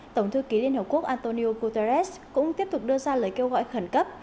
tổng thư ký liên hợp quốc antonio guterres cũng tiếp tục đưa ra lời kêu gọi khẩn cấp